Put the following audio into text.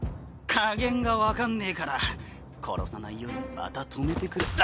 加減が分かんねぇから殺さないようにまた止めてくれふっ！